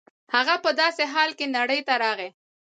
هغه په داسې حال کې نړۍ ته راغی.